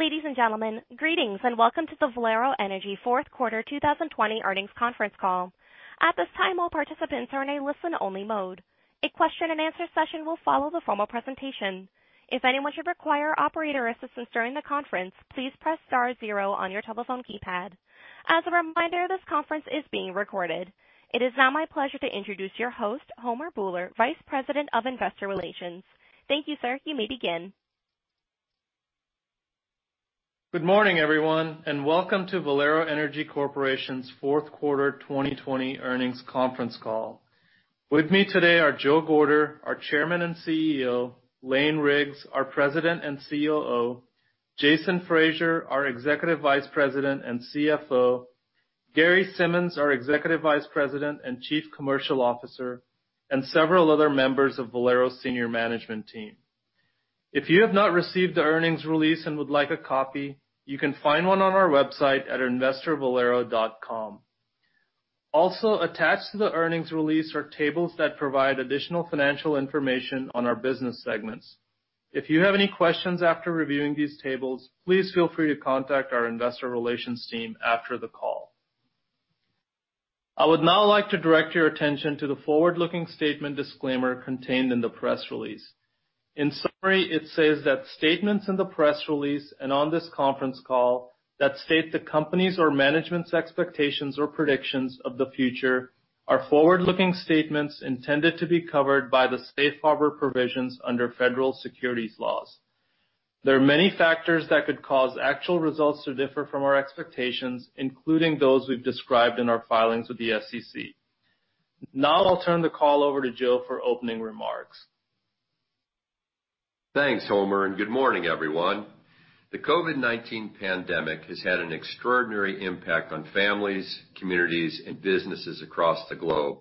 Ladies and gentlemen, greetings and welcome to the Valero Energy fourth quarter 2020 earnings conference call. At this time, all participants are in a listen-only mode. A question and answer session will follow the formal presentation. If anyone should require operator assistance during the conference, please press star zero on your telephone keypad. As a reminder, this conference is being recorded. It is now my pleasure to introduce your host, Homer Bhullar, Vice President of Investor Relations. Thank you, sir. You may begin. Good morning, everyone, and welcome to Valero Energy Corporation's Q4 2020 earnings conference call. With me today are Joe Gorder, our Chairman and CEO; Lane Riggs, our President and COO; Jason Fraser, our Executive Vice President and CFO; Gary Simmons, our Executive Vice President and Chief Commercial Officer, and several other members of Valero senior management team. If you have not received the earnings release and would like a copy, you can find one on our website at investorvalero.com. Attached to the earnings release are tables that provide additional financial information on our business segments. If you have any questions after reviewing these tables, please feel free to contact our investor relations team after the call. I would now like to direct your attention to the forward-looking statement disclaimer contained in the press release. In summary, it says that statements in the press release and on this conference call that state the company's or management's expectations or predictions of the future are forward-looking statements intended to be covered by the safe harbor provisions under federal securities laws. There are many factors that could cause actual results to differ from our expectations, including those we've described in our filings with the SEC. I'll turn the call over to Joe for opening remarks. Thanks, Homer, and good morning, everyone. The COVID-19 pandemic has had an extraordinary impact on families, communities, and businesses across the globe.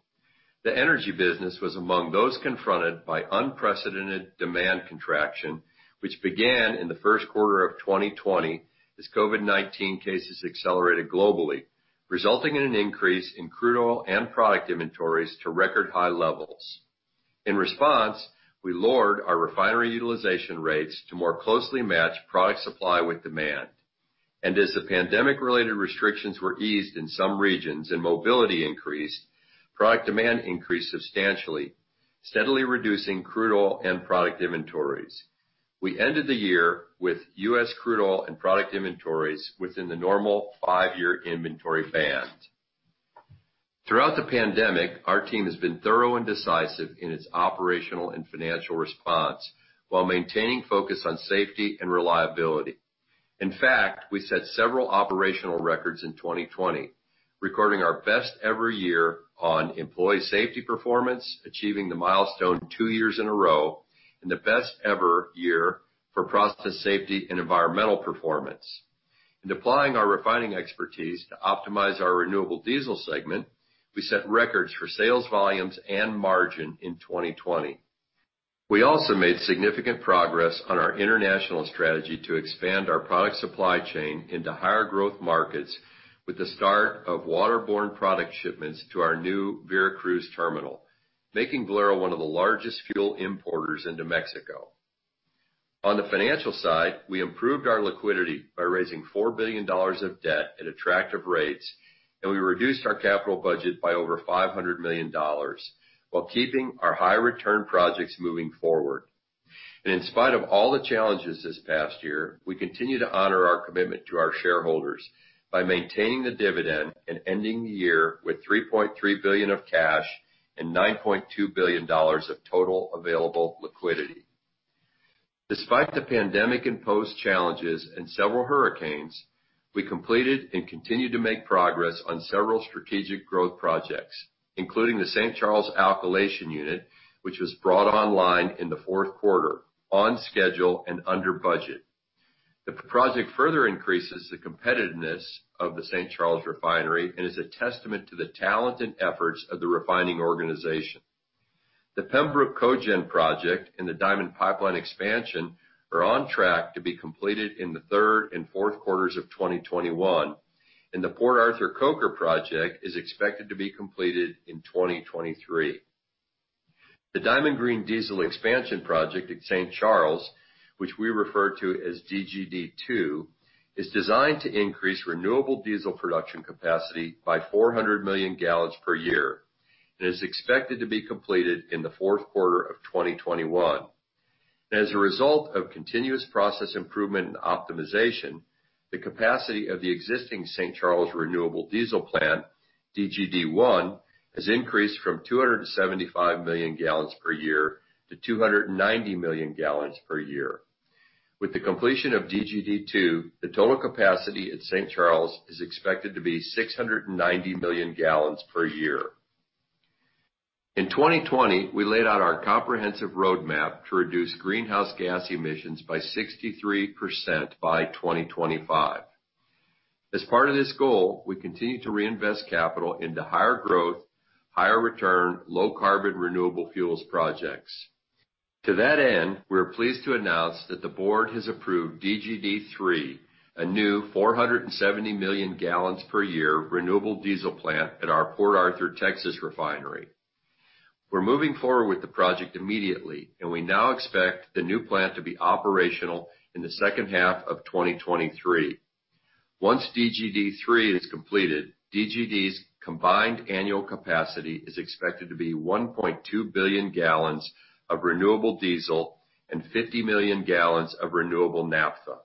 The energy business was among those confronted by unprecedented demand contraction, which began in the first quarter of 2020 as COVID-19 cases accelerated globally, resulting in an increase in crude oil and product inventories to record high levels. In response, we lowered our refinery utilization rates to more closely match product supply with demand. As the pandemic-related restrictions were eased in some regions and mobility increased, product demand increased substantially, steadily reducing crude oil and product inventories. We ended the year with U.S. crude oil and product inventories within the normal five-year inventory band. Throughout the pandemic, our team has been thorough and decisive in its operational and financial response while maintaining focus on safety and reliability. In fact, we set several operational records in 2020, recording our best ever year on employee safety performance, achieving the milestone two years in a row, and the best ever year for process safety and environmental performance. In applying our refining expertise to optimize our renewable diesel segment, we set records for sales volumes and margin in 2020. We also made significant progress on our international strategy to expand our product supply chain into higher growth markets with the start of water-borne product shipments to our new Veracruz terminal, making Valero one of the largest fuel importers into Mexico. On the financial side, we improved our liquidity by raising $4 billion of debt at attractive rates, and we reduced our capital budget by over $500 million while keeping our high return projects moving forward. In spite of all the challenges this past year, we continue to honor our commitment to our shareholders by maintaining the dividend and ending the year with $3.3 billion of cash and $9.2 billion of total available liquidity. Despite the pandemic-imposed challenges and several hurricanes, we completed and continued to make progress on several strategic growth projects, including the St. Charles Alkylation unit, which was brought online in the fourth quarter on schedule and under budget. The project further increases the competitiveness of the St. Charles refinery and is a testament to the talent and efforts of the refining organization. The Pembroke Cogen project and the Diamond Pipeline expansion are on track to be completed in the third and fourth quarters of 2021, and the Port Arthur Coker project is expected to be completed in 2023. The Diamond Green Diesel expansion project at St. Charles, which we refer to as DGD 2, is designed to increase renewable diesel production capacity by 400 million gallons per year and is expected to be completed in the fourth quarter of 2021. As a result of continuous process improvement and optimization, the capacity of the existing St. Charles renewable diesel plant, DGD 1, has increased from 275 million gallons per year to 290 million gallons per year. With the completion of DGD 2, the total capacity at St. Charles is expected to be 690 million gallons per year. In 2020, we laid out our comprehensive roadmap to reduce greenhouse gas emissions by 63% by 2025. As part of this goal, we continue to reinvest capital into higher growth, higher return, low carbon renewable fuels projects. To that end, we are pleased to announce that the board has approved DGD 3, a new 470 million gallons per year renewable diesel plant at our Port Arthur, Texas refinery. We're moving forward with the project immediately, and we now expect the new plant to be operational in the second half of 2023. Once DGD 3 is completed, DGD's combined annual capacity is expected to be 1.2 billion gallons of renewable diesel and 50 million gallons of renewable naphtha.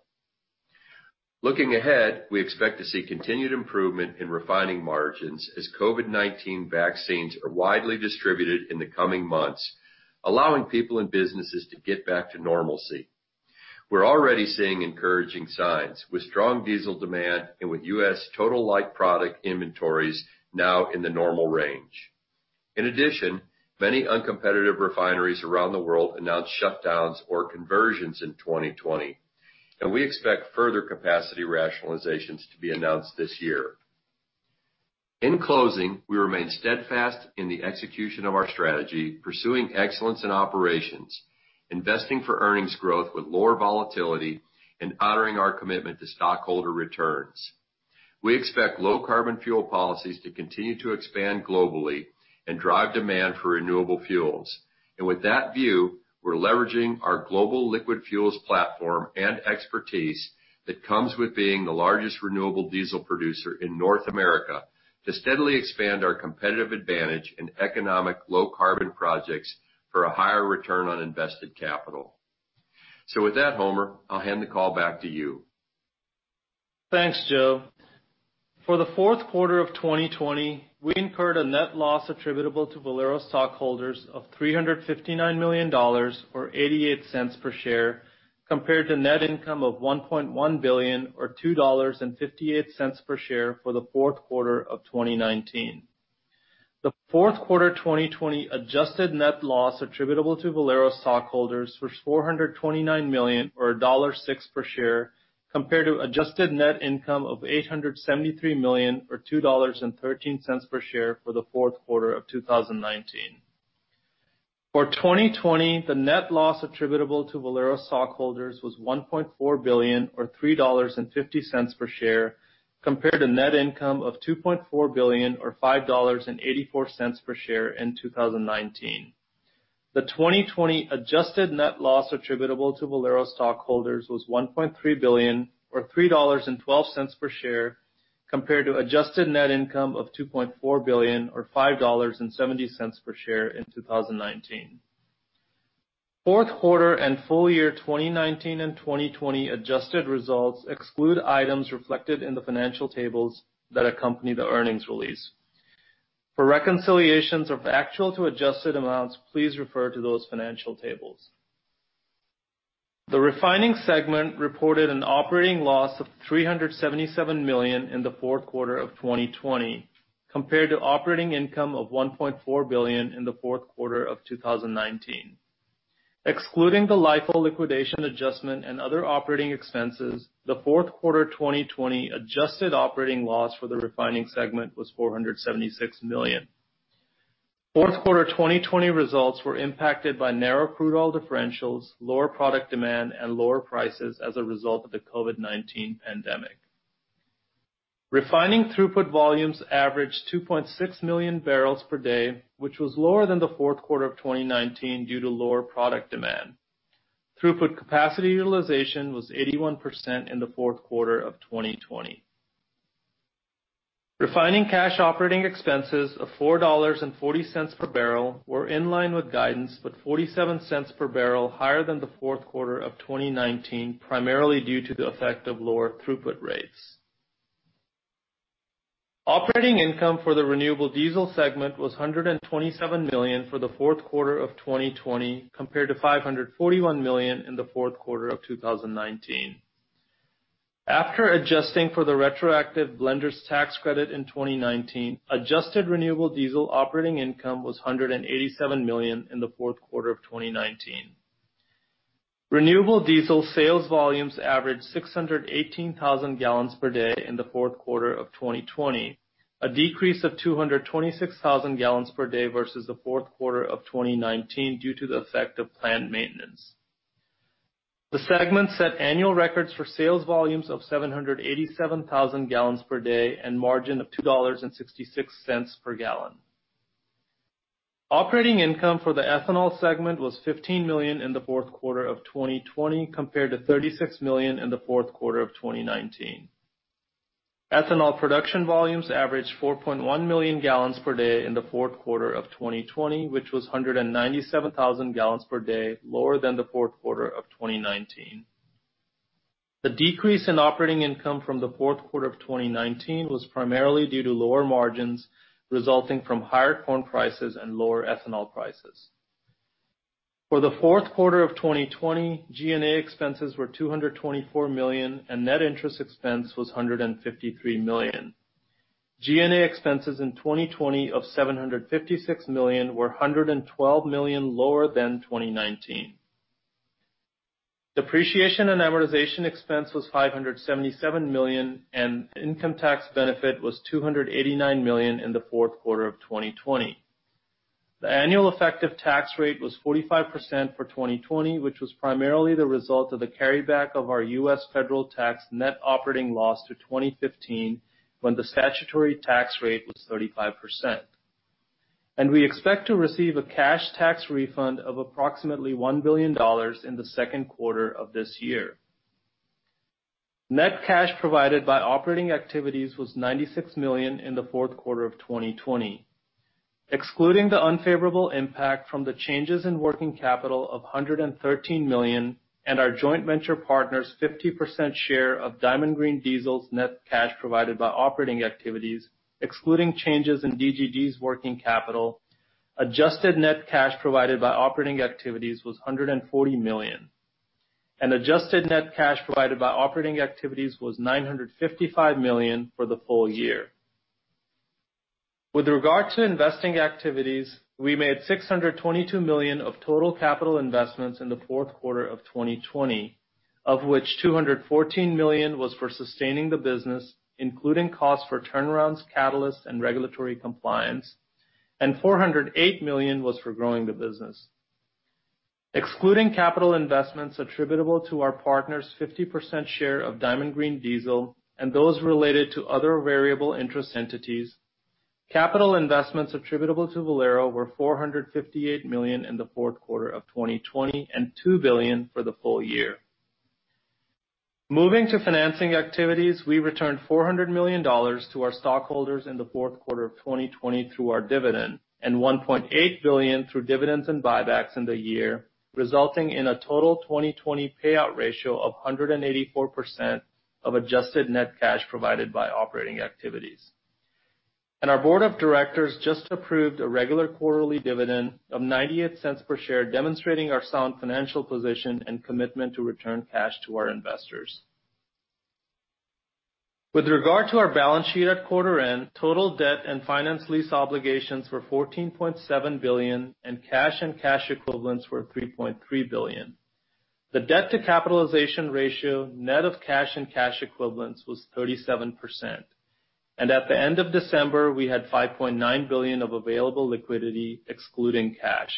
Looking ahead, we expect to see continued improvement in refining margins as COVID-19 vaccines are widely distributed in the coming months, allowing people and businesses to get back to normalcy. We're already seeing encouraging signs with strong diesel demand and with U.S. total light product inventories now in the normal range. In addition, many uncompetitive refineries around the world announced shutdowns or conversions in 2020. We expect further capacity rationalizations to be announced this year. In closing, we remain steadfast in the execution of our strategy, pursuing excellence in operations, investing for earnings growth with lower volatility, and honoring our commitment to stockholder returns. We expect low carbon fuel policies to continue to expand globally and drive demand for renewable fuels. With that view, we're leveraging our global liquid fuels platform and expertise that comes with being the largest renewable diesel producer in North America to steadily expand our competitive advantage in economic low carbon projects for a higher return on invested capital. With that, Homer, I'll hand the call back to you. Thanks, Joe. For the fourth quarter of 2020, we incurred a net loss attributable to Valero stockholders of $359 million, or $0.88 per share, compared to net income of $1.1 billion or $2.58 per share for the fourth quarter of 2019. The fourth quarter 2020 adjusted net loss attributable to Valero stockholders was $429 million or $1.06 per share compared to adjusted net income of $873 million or $2.13 per share for the fourth quarter of 2019. For 2020, the net loss attributable to Valero stockholders was $1.4 billion or $3.50 per share compared to net income of $2.4 billion or $5.84 per share in 2019. The 2020 adjusted net loss attributable to Valero stockholders was $1.3 billion or $3.12 per share compared to adjusted net income of $2.4 billion or $5.70 per share in 2019. Fourth quarter and full year 2019 and 2020 adjusted results exclude items reflected in the financial tables that accompany the earnings release. For reconciliations of actual to adjusted amounts, please refer to those financial tables. The refining segment reported an operating loss of $377 million in the fourth quarter of 2020 compared to operating income of $1.4 billion in the fourth quarter of 2019. Excluding the LIFO liquidation adjustment and other operating expenses, the fourth quarter 2020 adjusted operating loss for the refining segment was $476 million. Fourth quarter 2020 results were impacted by narrow crude oil differentials, lower product demand, and lower prices as a result of the COVID-19 pandemic. Refining throughput volumes averaged 2.6 million barrels per day, which was lower than the fourth quarter of 2019 due to lower product demand. Throughput capacity utilization was 81% in the fourth quarter of 2020. Refining cash operating expenses of $4.40 per barrel were in line with guidance, but $0.47 per barrel higher than the fourth quarter of 2019, primarily due to the effect of lower throughput rates. Operating income for the renewable diesel segment was $127 million for the fourth quarter of 2020 compared to $541 million in the fourth quarter of 2019. After adjusting for the retroactive Blender's Tax Credit in 2019, adjusted renewable diesel operating income was $187 million in the fourth quarter of 2019. Renewable diesel sales volumes averaged 618,000 gallons per day in the fourth quarter of 2020, a decrease of 226,000 gallons per day versus the fourth quarter of 2019 due to the effect of planned maintenance. The segment set annual records for sales volumes of 787,000 gallons per day and margin of $2.66 per gallon. Operating income for the ethanol segment was $15 million in the fourth quarter of 2020 compared to $36 million in the fourth quarter of 2019. Ethanol production volumes averaged 4.1 million gallons per day in the fourth quarter of 2020, which was 197,000 gallons per day lower than the fourth quarter of 2019. The decrease in operating income from the fourth quarter of 2019 was primarily due to lower margins resulting from higher corn prices and lower ethanol prices. For the fourth quarter of 2020, G&A expenses were $224 million, and net interest expense was $153 million. G&A expenses in 2020 of $756 million were $112 million lower than 2019. Depreciation and amortization expense was $577 million, and income tax benefit was $289 million in the fourth quarter of 2020. The annual effective tax rate was 45% for 2020, which was primarily the result of the carryback of our U.S. federal tax net operating loss to 2015, when the statutory tax rate was 35%. We expect to receive a cash tax refund of approximately $1 billion in the second quarter of this year. Net cash provided by operating activities was $96 million in the fourth quarter of 2020. Excluding the unfavorable impact from the changes in working capital of $113 million and our joint venture partner's 50% share of Diamond Green Diesel's net cash provided by operating activities, excluding changes in DGD's working capital, adjusted net cash provided by operating activities was $140 million. Adjusted net cash provided by operating activities was $955 million for the full year. With regard to investing activities, we made $622 million of total capital investments in the fourth quarter of 2020. Of which $214 million was for sustaining the business, including costs for turnarounds, catalysts, and regulatory compliance. $408 million was for growing the business. Excluding capital investments attributable to our partner's 50% share of Diamond Green Diesel and those related to other variable interest entities, capital investments attributable to Valero were $458 million in the fourth quarter of 2020 and $2 billion for the full year. Moving to financing activities, we returned $400 million to our stockholders in the fourth quarter of 2020 through our dividend. $1.8 billion through dividends and buybacks in the year, resulting in a total 2020 payout ratio of 184% of adjusted net cash provided by operating activities. Our board of directors just approved a regular quarterly dividend of $0.98 per share, demonstrating our sound financial position and commitment to return cash to our investors. With regard to our balance sheet at quarter end, total debt and finance lease obligations were $14.7 billion, and cash and cash equivalents were $3.3 billion. The debt-to-capitalization ratio, net of cash and cash equivalents, was 37%. At the end of December, we had $5.9 billion of available liquidity excluding cash.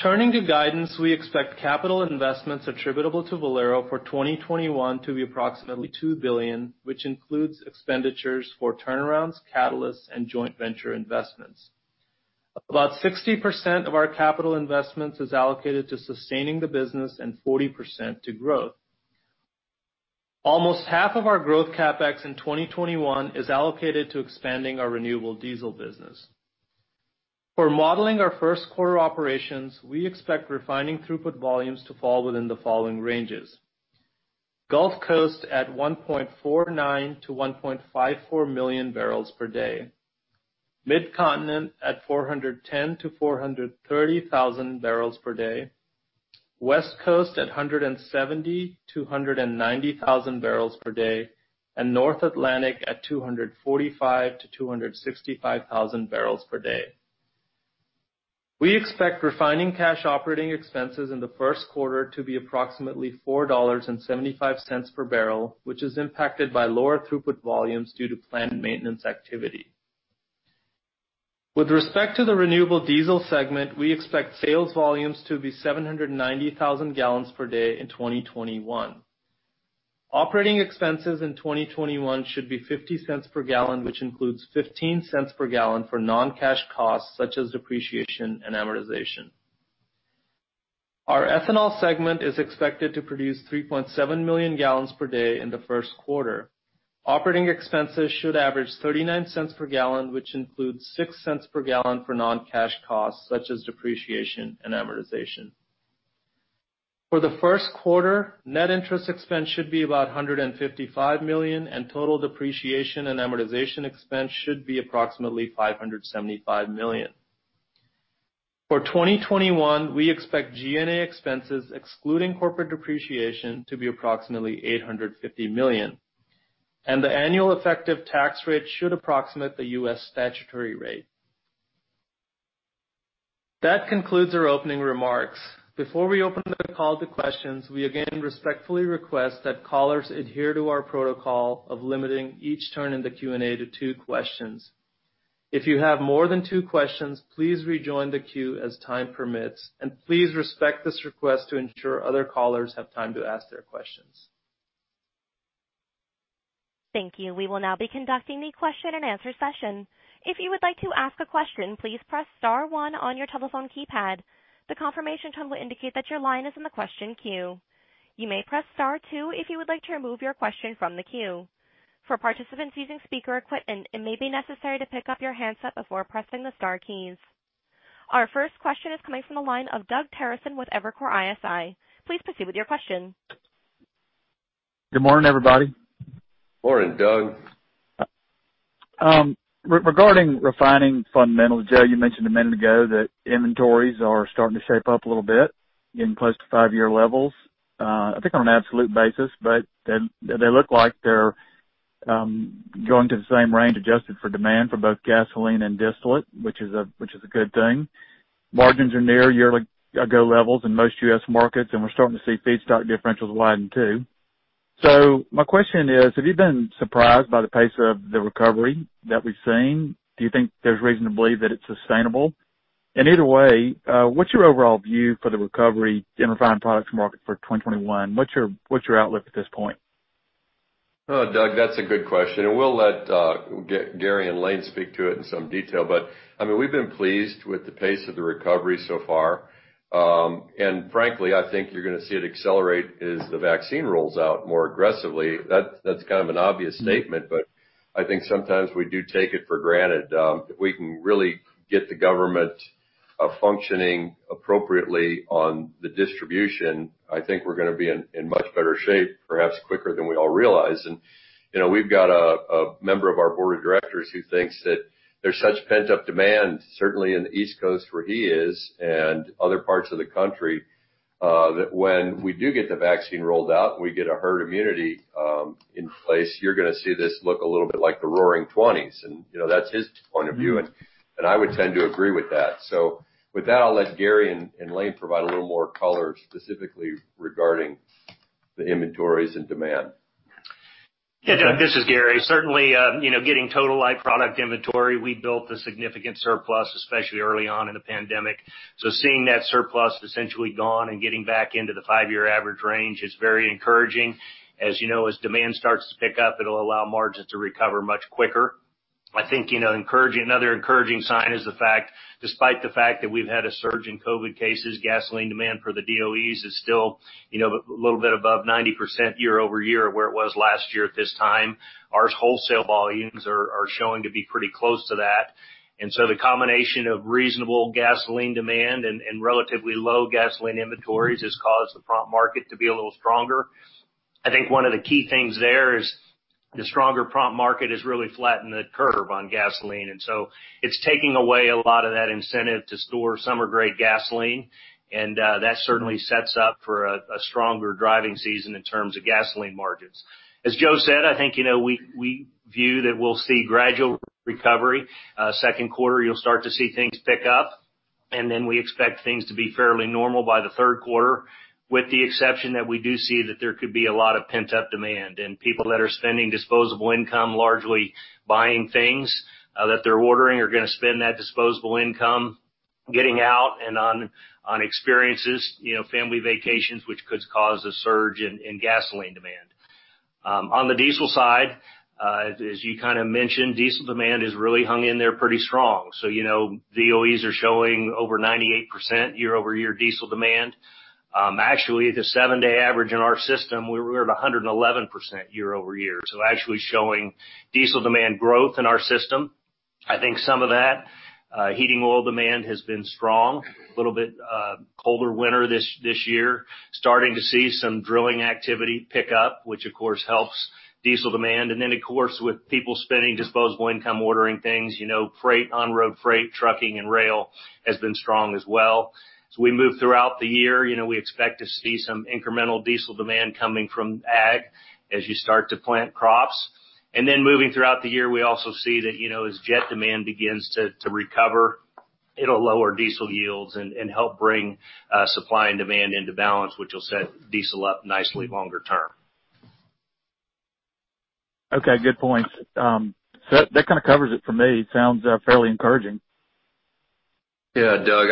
Turning to guidance, we expect capital investments attributable to Valero for 2021 to be approximately $2 billion, which includes expenditures for turnarounds, catalysts, and joint venture investments. About 60% of our capital investments is allocated to sustaining the business and 40% to growth. Almost half of our growth CapEx in 2021 is allocated to expanding our renewable diesel business. For modeling our first quarter operations, we expect refining throughput volumes to fall within the following ranges. Gulf Coast at 1.49 million-1.54 million barrels per day, Mid-Continent at 410,000-430,000 barrels per day, West Coast at 170,000-190,000 barrels per day, and North Atlantic at 245,000-265,000 barrels per day. We expect refining cash operating expenses in the first quarter to be approximately $4.75 per barrel, which is impacted by lower throughput volumes due to planned maintenance activity. With respect to the renewable diesel segment, we expect sales volumes to be 790,000 gallons per day in 2021. Operating expenses in 2021 should be $0.50 per gallon, which includes $0.15 per gallon for non-cash costs such as depreciation and amortization. Our ethanol segment is expected to produce 3.7 million gallons per day in the first quarter. Operating expenses should average $0.39 per gallon, which includes $0.06 per gallon for non-cash costs such as depreciation and amortization. For the first quarter, net interest expense should be about $155 million, and total depreciation and amortization expense should be approximately $575 million. For 2021, we expect G&A expenses excluding corporate depreciation to be approximately $850 million, and the annual effective tax rate should approximate the U.S. statutory rate. That concludes our opening remarks. Before we open the call to questions, we again respectfully request that callers adhere to our protocol of limiting each turn in the Q&A to two questions. If you have more than two questions, please rejoin the queue as time permits, and please respect this request to ensure other callers have time to ask their questions. Thank you. We will now be conducting the question and answer session. If you would like to ask a question, please press star one on your telephone keypad. The confirmation tone will indicate that your line is in the question queue. You may press star two if you would like to remove your question from the queue. For participants using speaker equipment, it may be necessary to pick up your handset before pressing the star keys. Our first question is coming from the line of Doug Terreson with Evercore ISI. Please proceed with your question. Good morning, everybody. Morning, Doug. Regarding refining fundamentals, Joe, you mentioned a minute ago that inventories are starting to shape up a little bit in close to five-year levels. I think on an absolute basis, but they look like they're going to the same range adjusted for demand for both gasoline and distillate, which is a good thing. Margins are near year ago levels in most U.S. markets, and we're starting to see feedstock differentials widen too. My question is, have you been surprised by the pace of the recovery that we've seen? Do you think there's reason to believe that it's sustainable? Either way, what's your overall view for the recovery in refined products market for 2021? What's your outlook at this point? Oh, Doug, that's a good question. We'll let Gary and Lane speak to it in some detail. We've been pleased with the pace of the recovery so far. Frankly, I think you're going to see it accelerate as the vaccine rolls out more aggressively. That's kind of an obvious statement. I think sometimes we do take it for granted. If we can really get the government functioning appropriately on the distribution, I think we're going to be in much better shape, perhaps quicker than we all realize. We've got a member of our board of directors who thinks that there's such pent-up demand, certainly in the East Coast where he is, and other parts of the country, that when we do get the vaccine rolled out, and we get a herd immunity in place, you're going to see this look a little bit like the Roaring '20s, and that's his point of view. I would tend to agree with that. With that, I'll let Gary and Lane provide a little more color, specifically regarding the inventories and demand. Yeah, Doug, this is Gary. Certainly, getting total light product inventory, we built a significant surplus, especially early on in the pandemic. Seeing that surplus essentially gone and getting back into the five-year average range is very encouraging. As you know, as demand starts to pick up, it'll allow margins to recover much quicker. I think another encouraging sign is despite the fact that we've had a surge in COVID cases, gasoline demand for the DOE's is still a little bit above 90% year-over-year of where it was last year at this time. Our wholesale volumes are showing to be pretty close to that. The combination of reasonable gasoline demand and relatively low gasoline inventories has caused the prompt market to be a little stronger. I think one of the key things there is the stronger prompt market has really flattened the curve on gasoline. It's taking away a lot of that incentive to store summer-grade gasoline. That certainly sets up for a stronger driving season in terms of gasoline margins. As Joe said, I think we view that we'll see gradual recovery. Second quarter, you'll start to see things pick up. We expect things to be fairly normal by the third quarter, with the exception that we do see that there could be a lot of pent-up demand. People that are spending disposable income largely buying things that they're ordering are going to spend that disposable income getting out and on experiences, family vacations, which could cause a surge in gasoline demand. On the diesel side, as you kind of mentioned, diesel demand has really hung in there pretty strong. DOE's are showing over 98% year-over-year diesel demand. Actually, the seven-day average in our system, we were at 111% year-over-year. Actually showing diesel demand growth in our system. I think some of that heating oil demand has been strong. A little bit colder winter this year. Starting to see some drilling activity pick up, which of course helps diesel demand. Then of course, with people spending disposable income ordering things, on-road freight, trucking, and rail has been strong as well. As we move throughout the year, we expect to see some incremental diesel demand coming from ag as you start to plant crops. Moving throughout the year, we also see that as jet demand begins to recover, it'll lower diesel yields and help bring supply and demand into balance, which will set diesel up nicely longer term. Okay, good points. That kind of covers it for me. Sounds fairly encouraging. Yeah, Doug.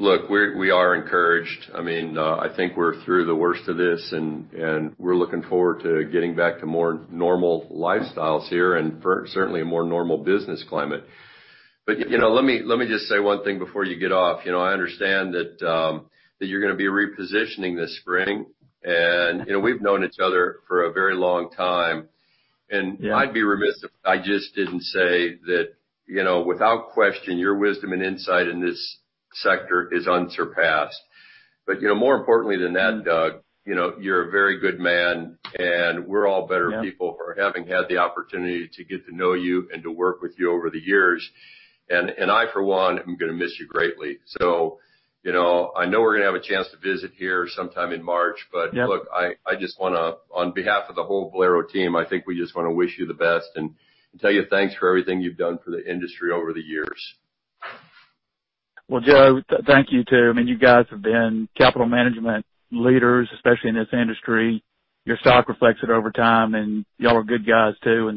Look, we are encouraged. I think we're through the worst of this, and we're looking forward to getting back to more normal lifestyles here and certainly a more normal business climate. Let me just say one thing before you get off. I understand that you're going to be repositioning this spring, we've known each other for a very long time, and I'd be remiss if I just didn't say that without question, your wisdom and insight in this sector is unsurpassed. More importantly than that, Doug, you're a very good man, and we're all better people for having had the opportunity to get to know you and to work with you over the years. I, for one, am going to miss you greatly. I know we're going to have a chance to visit here sometime in March. Yeah. Look, on behalf of the whole Valero team, I think we just want to wish you the best and tell you thanks for everything you've done for the industry over the years. Well, Joe, thank you, too. You guys have been capital management leaders, especially in this industry. Your stock reflects it over time, and y'all are good guys, too.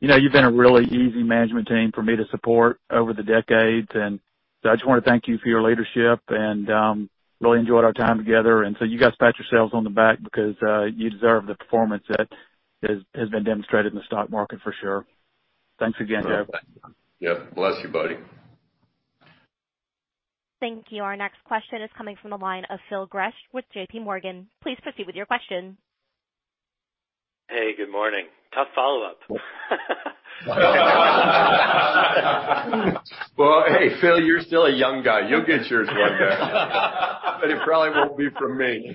You've been a really easy management team for me to support over the decades, and so I just want to thank you for your leadership and really enjoyed our time together. You guys pat yourselves on the back because you deserve the performance that has been demonstrated in the stock market for sure. Thanks again, Joe. Yep. Bless you, buddy. Thank you. Our next question is coming from the line of Phil Gresh with JPMorgan. Please proceed with your question. Hey, good morning. Tough follow-up. Well, hey, Phil, you're still a young guy. You'll get yours one day. It probably won't be from me.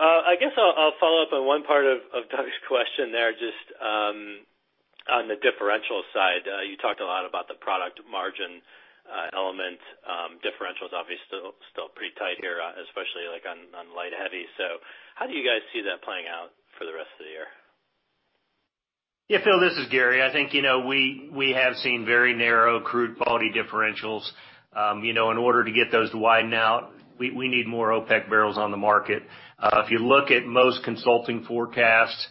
I guess I'll follow up on one part of Doug's question there, just on the differential side. You talked a lot about the product margin element. Differentials obviously still pretty tight here, especially on light heavy. How do you guys see that playing out for the rest of the year? Yeah, Phil, this is Gary. I think we have seen very narrow crude quality differentials. In order to get those to widen out, we need more OPEC barrels on the market. If you look at most consulting forecasts,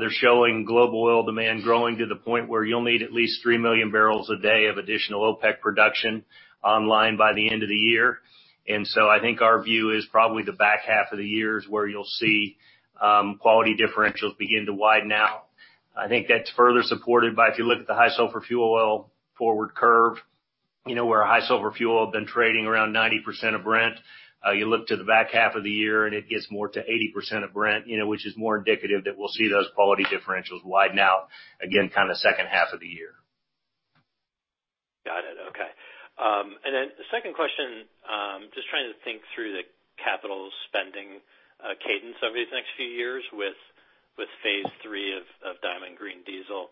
they're showing global oil demand growing to the point where you'll need at least 3 million barrels a day of additional OPEC production online by the end of the year. So I think our view is probably the back half of the year is where you'll see quality differentials begin to widen out. I think that's further supported by, if you look at the high sulfur fuel oil forward curve, where high sulfur fuel oil have been trading around 90% of Brent. You look to the back half of the year, and it gets more to 80% of Brent, which is more indicative that we'll see those quality differentials widen out, again, kind of second half of the year. Got it. Okay. The second question, just trying to think through the capital spending cadence over these next few years with phase III of Diamond Green Diesel.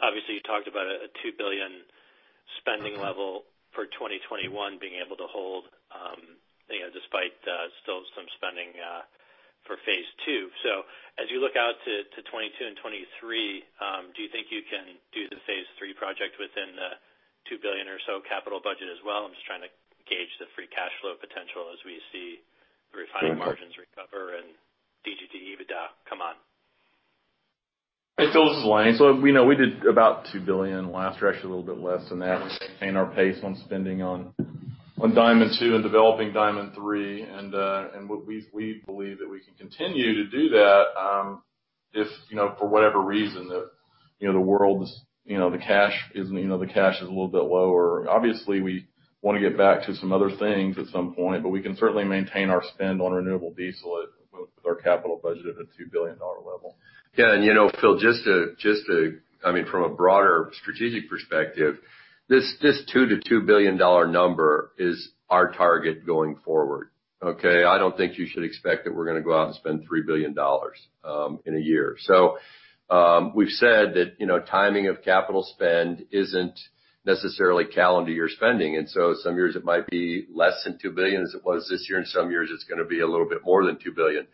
Obviously, you talked about a $2 billion spending level for 2021 being able to hold, despite still some spending for phase II. As you look out to 2022 and 2023, do you think you can do the phase III project within the $2 billion or so capital budget as well? I'm just trying to gauge the free cash flow potential as we see refining margins recover and DGD EBITDA come on. Hey, Phil, this is Lane. We know we did about $2 billion last year, actually, a little bit less than that, to maintain our pace on spending on DGD 2 and developing DGD 3. We believe that we can continue to do that if, for whatever reason, the cash is a little bit lower. Obviously, we want to get back to some other things at some point, but we can certainly maintain our spend on renewable diesel with our capital budget at a $2 billion level. Yeah. Phil, from a broader strategic perspective, this $2 billion-$2 billion number is our target going forward. Okay? I don't think you should expect that we're going to go out and spend $3 billion in a year. We've said that timing of capital spend isn't necessarily calendar year spending, some years it might be less than $2 billion, as it was this year, and some years it's going to be a little bit more than $2 billion.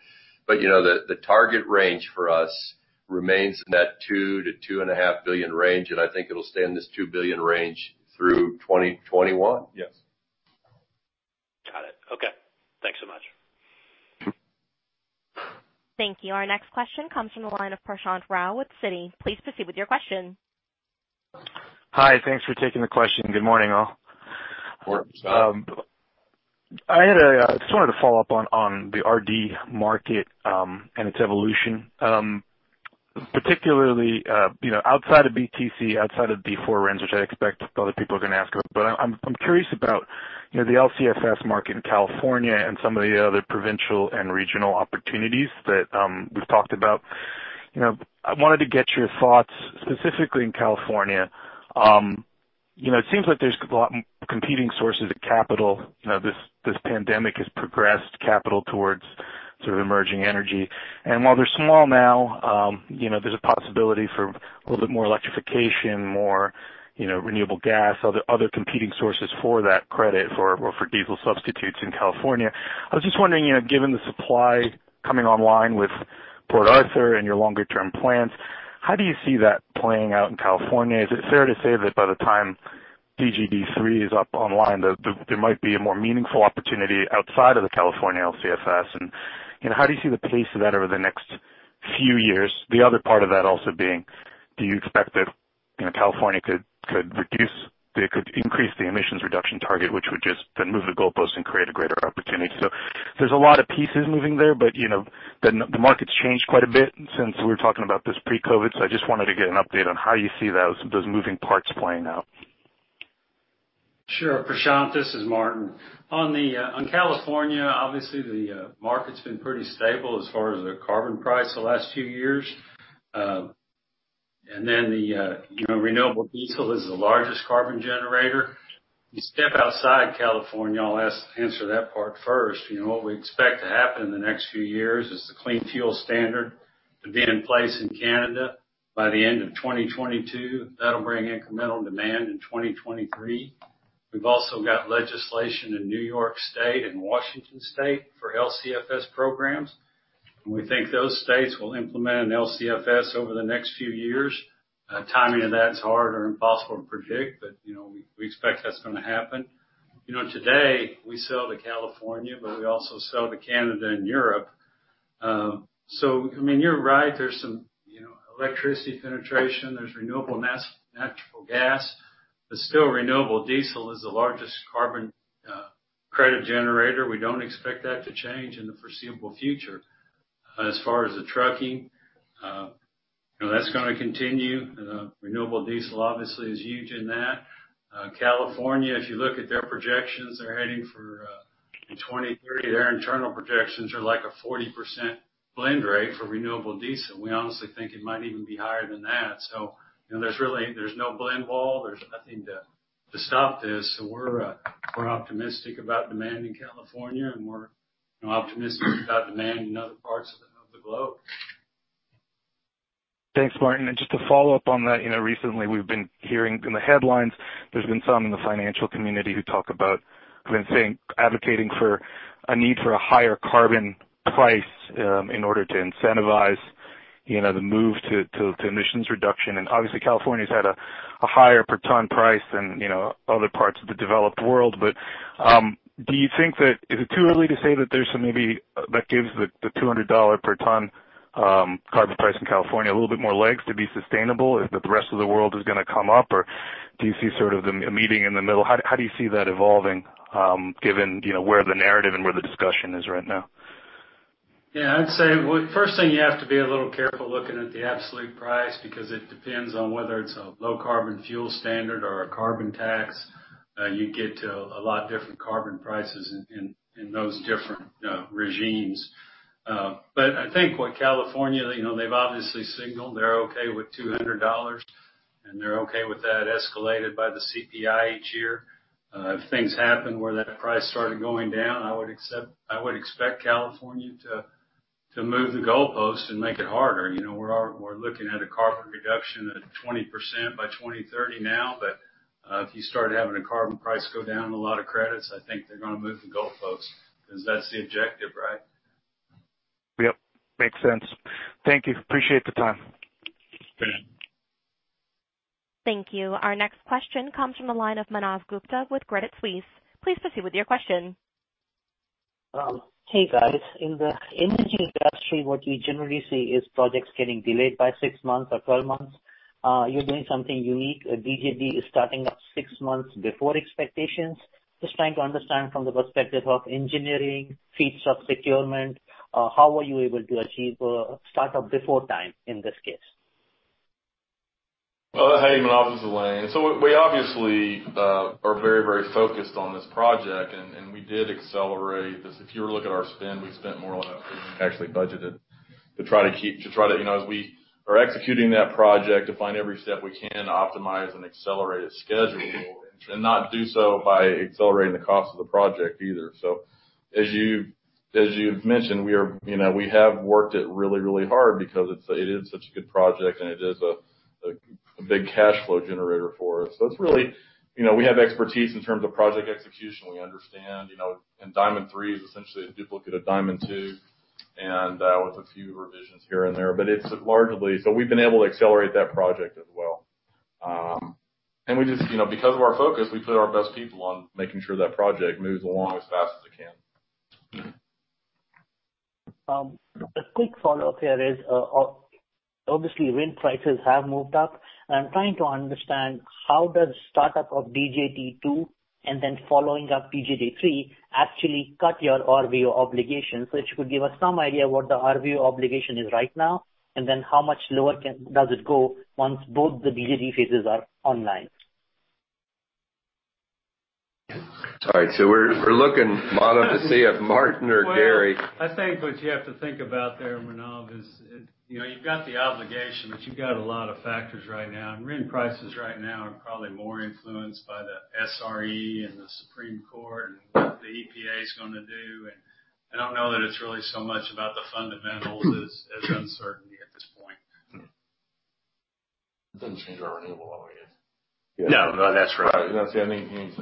The target range for us remains in that $2 billion-$2.5 billion range, and I think it'll stay in this $2 billion range through 2021. Yes. Got it. Okay. Thanks so much. Thank you. Our next question comes from the line of Prashant Rao with Citi. Please proceed with your question. Hi. Thanks for taking the question. Good morning, all. Morning. What's up? I just wanted to follow up on the RD market and its evolution. Particularly, outside of BTC, outside of the D4 RINs, which I expect other people are going to ask about. I'm curious about the LCFS market in California and some of the other provincial and regional opportunities that we've talked about. I wanted to get your thoughts specifically in California. It seems like there's competing sources of capital. This pandemic has progressed capital towards sort of emerging energy. While they're small now, there's a possibility for a little bit more electrification, more renewable gas, other competing sources for that credit for diesel substitutes in California. I was just wondering, given the supply coming online with Port Arthur and your longer-term plans, how do you see that playing out in California? Is it fair to say that by the time DGD 3 is up online, there might be a more meaningful opportunity outside of the California LCFS? How do you see the pace of that over the next few years? The other part of that also being, do you expect that California could increase the emissions reduction target, which would just then move the goalposts and create a greater opportunity? There's a lot of pieces moving there. The market's changed quite a bit since we were talking about this pre-COVID-19, so I just wanted to get an update on how you see those moving parts playing out. Sure, Prashant, this is Martin. On California, obviously, the market's been pretty stable as far as the carbon price the last few years. The renewable diesel is the largest carbon generator. You step outside California, I'll answer that part first. What we expect to happen in the next few years is the Clean Fuel Standard to be in place in Canada by the end of 2022. That'll bring incremental demand in 2023. We've also got legislation in New York State and Washington State for LCFS programs. We think those states will implement an LCFS over the next few years. Timing of that is hard or impossible to predict. We expect that's going to happen. Today, we sell to California. We also sell to Canada and Europe. You're right, there's some electricity penetration. There's renewable natural gas, still, renewable diesel is the largest carbon credit generator. We don't expect that to change in the foreseeable future. As far as the trucking, that's going to continue. Renewable diesel obviously is huge in that. California, if you look at their projections, they're heading for in 2030, their internal projections are like a 40% blend rate for renewable diesel. We honestly think it might even be higher than that. There's no blend wall. There's nothing to stop this. We're optimistic about demand in California, and we're optimistic about demand in other parts of the globe. Thanks, Martin. Just to follow up on that, recently we've been hearing in the headlines, there's been some in the financial community who talk about advocating for a need for a higher carbon price in order to incentivize the move to emissions reduction. Obviously, California's had a higher per ton price than other parts of the developed world. Do you think that is it too early to say that gives the $200 per ton carbon price in California a little bit more legs to be sustainable that the rest of the world is going to come up? Do you see sort of a meeting in the middle? How do you see that evolving given where the narrative and where the discussion is right now? Yeah, I'd say, first thing, you have to be a little careful looking at the absolute price because it depends on whether it's a low carbon fuel standard or a carbon tax. You get to a lot different carbon prices in those different regimes. I think what California, they've obviously signaled they're okay with $200, and they're okay with that escalated by the CPI each year. If things happen where that price started going down, I would expect California to move the goalpost and make it harder. We're looking at a carbon reduction at 20% by 2030 now. If you start having a carbon price go down a lot of credits, I think they're going to move the goalposts because that's the objective, right? Yep. Makes sense. Thank you. Appreciate the time. Good night. Thank you. Our next question comes from the line of Manav Gupta with Credit Suisse. Please proceed with your question. Hey, guys. In the energy industry, what we generally see is projects getting delayed by six months or 12 months. You're doing something unique. DGD is starting up six months before expectations. Just trying to understand from the perspective of engineering, feedstock procurement, how were you able to achieve startup before time in this case? Hey, Manav, this is Lane. We obviously are very focused on this project, and we did accelerate this. If you were to look at our spend, we spent more on that than we actually budgeted to try to keep As we are executing that project, to find every step we can optimize and accelerate its schedule and not do so by accelerating the cost of the project either. As you've mentioned, we have worked it really hard because it is such a good project, and it is a big cash flow generator for us. It's really, we have expertise in terms of project execution. We understand, and DGD 3 is essentially a duplicate of DGD 2 and with a few revisions here and there. It's largely, so we've been able to accelerate that project as well. We just, because of our focus, we put our best people on making sure that project moves along as fast as it can. A quick follow-up here is, obviously, RIN prices have moved up. I'm trying to understand how does startup of DGD 2 and then following up DGD 3 actually cut your RVO obligation? If you could give us some idea what the RVO obligation is right now, and then how much lower does it go once both the DGD phases are online? All right. We're looking, Manav, to see if Martin or Gary. Well, I think what you have to think about there, Manav, is you've got the obligation, but you've got a lot of factors right now. RIN prices right now are probably more influenced by the SRE and the Supreme Court and what the EPA's going to do. I don't know that it's really so much about the fundamentals as uncertainty at this point. It doesn't change our renewable obligation. No, that's right. That's the only thing.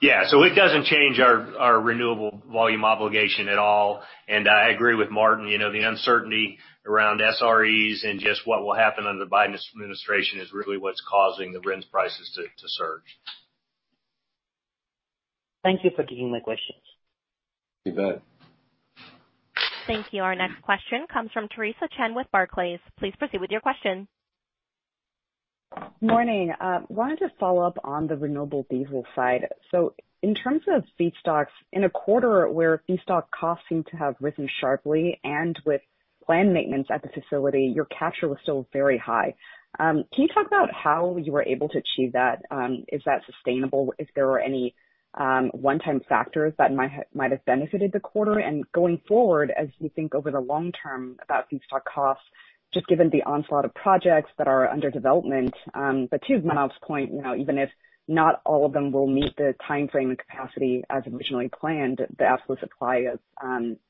Yeah. It doesn't change our renewable volume obligation at all. I agree with Martin. The uncertainty around SREs and just what will happen under the Biden administration is really what's causing the RINs prices to surge. Thank you for taking my questions. You bet. Thank you. Our next question comes from Theresa Chen with Barclays. Please proceed with your question. Morning. Wanted to follow up on the renewable diesel side. In terms of feedstocks, in a quarter where feedstock costs seem to have risen sharply, and with planned maintenance at the facility, your capture was still very high. Can you talk about how you were able to achieve that? Is that sustainable? If there were any one-time factors that might have benefited the quarter? Going forward, as you think over the long term about feedstock costs, just given the onslaught of projects that are under development. To Manav's point, even if not all of them will meet the timeframe and capacity as originally planned, the absolute supply of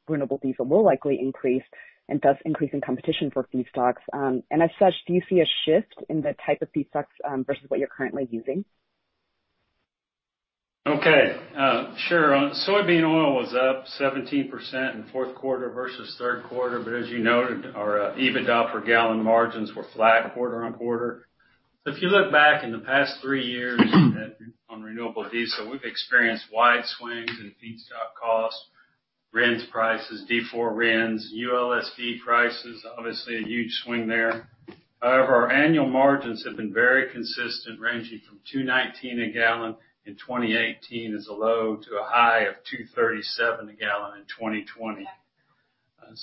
renewable diesel will likely increase and thus increasing competition for feedstocks. As such, do you see a shift in the type of feedstocks versus what you're currently using? Okay. Sure. Soybean oil was up 17% in fourth quarter versus third quarter. As you noted, our EBITDA per gallon margins were flat quarter on quarter. If you look back in the past three years on renewable diesel, we've experienced wide swings in feedstock costs, RINs prices, D4 RINs, ULSD prices, obviously a huge swing there. However, our annual margins have been very consistent, ranging from $2.19 a gallon in 2018 as a low to a high of $2.37 a gallon in 2020.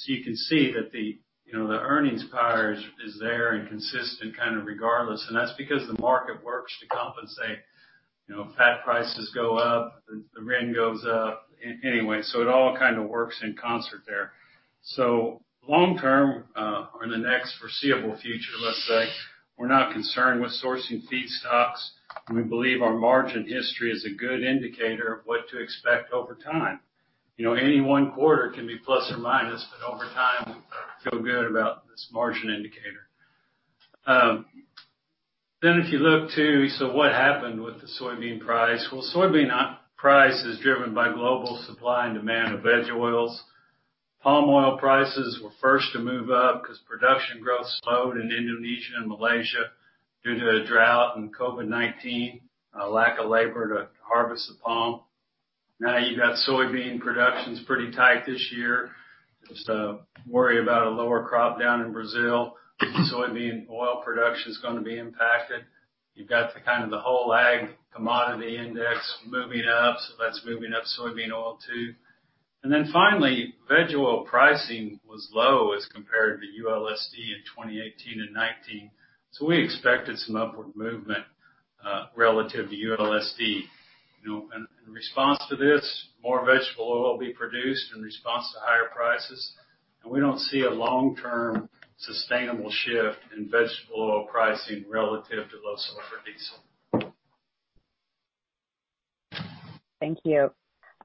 You can see that the earnings power is there and consistent kind of regardless, and that's because the market works to compensate. Fat prices go up, the RIN goes up anyway. It all kind of works in concert there. Long term, or in the next foreseeable future let's say, we're not concerned with sourcing feedstocks, and we believe our margin history is a good indicator of what to expect over time. Any one quarter can be plus or minus, but over time, we feel good about this margin indicator. If you look too, what happened with the soybean price? Well, soybean price is driven by global supply and demand of veg oils. Palm oil prices were first to move up because production growth slowed in Indonesia and Malaysia due to a drought and COVID-19, a lack of labor to harvest the palm. Now you've got soybean production's pretty tight this year. There's the worry about a lower crop down in Brazil. Soybean oil production is going to be impacted. You've got the whole ag commodity index moving up, so that's moving up soybean oil too. Finally, veg oil pricing was low as compared to ULSD in 2018 and 2019, so we expected some upward movement relative to ULSD. In response to this, more vegetable oil will be produced in response to higher prices. We don't see a long-term sustainable shift in vegetable oil pricing relative to low sulfur diesel. Thank you.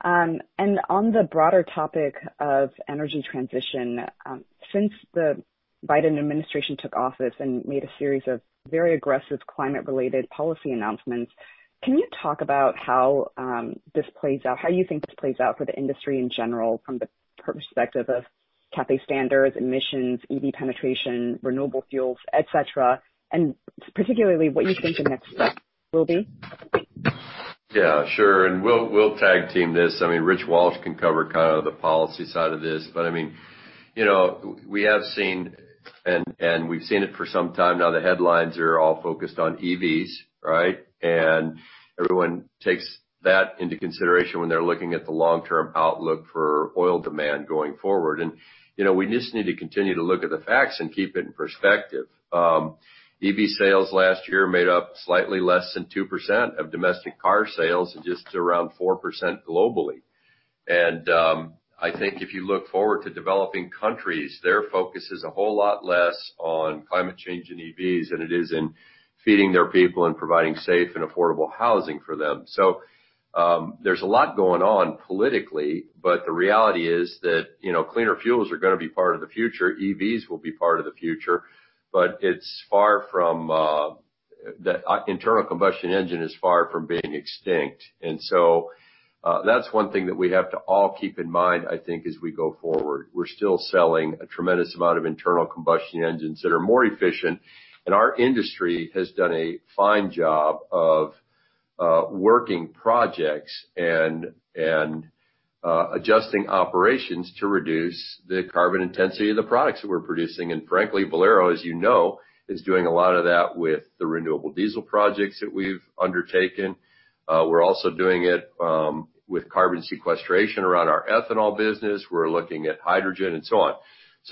On the broader topic of energy transition, since the Biden administration took office and made a series of very aggressive climate-related policy announcements, can you talk about how you think this plays out for the industry in general from the perspective of CAFE standards, emissions, EV penetration, renewable fuels, et cetera, and particularly what you think the next step will be? Yeah, sure. We'll tag team this. Rich Walsh can cover the policy side of this. We have seen, and we've seen it for some time now, the headlines are all focused on EVs, right? Everyone takes that into consideration when they're looking at the long-term outlook for oil demand going forward. We just need to continue to look at the facts and keep it in perspective. EV sales last year made up slightly less than 2% of domestic car sales and just around 4% globally. I think if you look forward to developing countries, their focus is a whole lot less on climate change and EVs than it is in feeding their people and providing safe and affordable housing for them. There's a lot going on politically, but the reality is that cleaner fuels are going to be part of the future. EVs will be part of the future. The internal combustion engine is far from being extinct. That's one thing that we have to all keep in mind, I think, as we go forward. We're still selling a tremendous amount of internal combustion engines that are more efficient, and our industry has done a fine job of working projects and adjusting operations to reduce the carbon intensity of the products that we're producing. Frankly, Valero, as you know, is doing a lot of that with the renewable diesel projects that we've undertaken. We're also doing it with carbon sequestration around our ethanol business. We're looking at hydrogen and so on.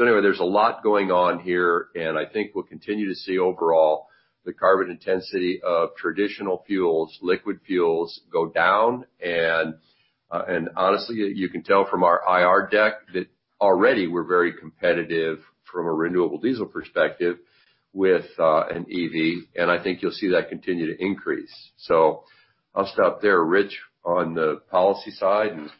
Anyway, there's a lot going on here, and I think we'll continue to see overall the carbon intensity of traditional fuels, liquid fuels go down, and honestly, you can tell from our IR deck that already we're very competitive from a renewable diesel perspective with an EV, and I think you'll see that continue to increase. I'll stop there. Rich, on the policy side and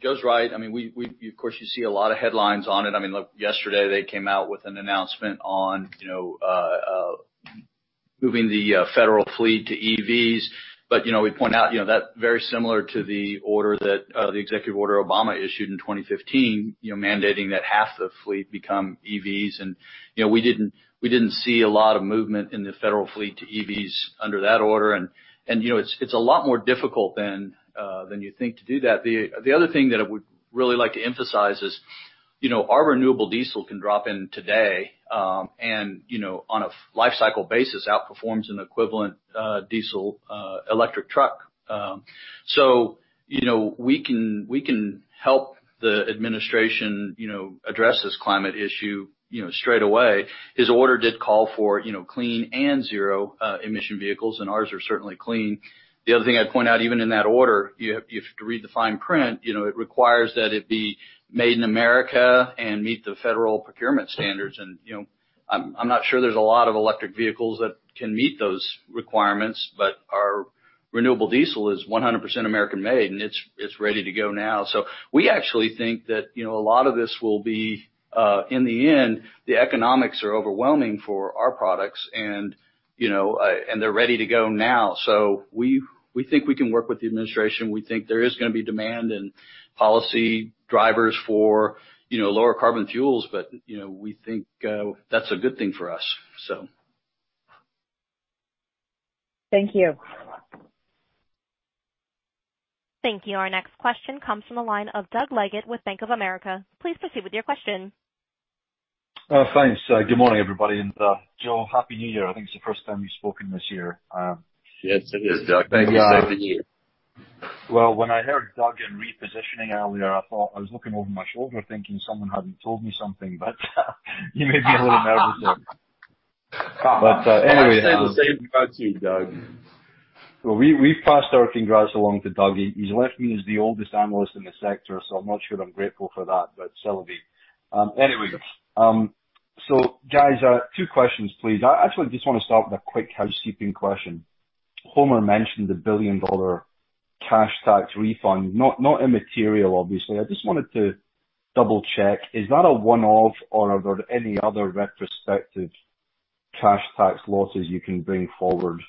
Joe's right. Of course, you see a lot of headlines on it. Yesterday they came out with an announcement on moving the federal fleet to EVs. We point out that very similar to the executive order Obama issued in 2015, mandating that half the fleet become EVs. We didn't see a lot of movement in the federal fleet to EVs under that order. It's a lot more difficult than you think to do that. The other thing that I would really like to emphasize is our renewable diesel can drop in today, and on a life cycle basis, outperforms an equivalent diesel electric truck. We can help the administration address this climate issue straight away. His order did call for clean and zero emission vehicles, and ours are certainly clean. The other thing I'd point out, even in that order, you have to read the fine print. It requires that it be made in America and meet the federal procurement standards. I'm not sure there's a lot of electric vehicles that can meet those requirements, but our renewable diesel is 100% American-made, and it's ready to go now. We actually think that a lot of this will be, in the end, the economics are overwhelming for our products and they're ready to go now. We think we can work with the administration. We think there is going to be demand and policy drivers for lower carbon fuels, but we think that's a good thing for us. Thank you. Thank you. Our next question comes from the line of Doug Leggate with Bank of America. Please proceed with your question. Thanks. Good morning, everybody. Joe, Happy New Year. I think it's the first time we've spoken this year. Yes, it is, Doug. Happy New Year. When I heard Doug and repositioning earlier, I thought I was looking over my shoulder thinking someone hadn't told me something, but you made me a little nervous there. Anyway. I say the same about you, Doug. Well, we've passed our congrats along to Doug. He's left me as the oldest analyst in the sector, so I'm not sure I'm grateful for that, but c'est la vie. Anyways, so guys, two questions, please. I actually just want to start with a quick housekeeping question. Homer mentioned the billion-dollar cash tax refund. Not immaterial, obviously. I just wanted to double-check. Is that a one-off or are there any other retrospective cash tax losses you can bring forward?